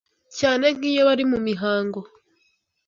cyane nk’iyo bari mu mihango,